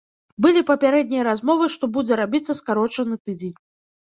Былі папярэднія размовы, што будзе рабіцца скарочаны тыдзень.